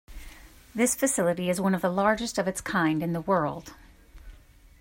This facility is one of the largest of its kind in the world.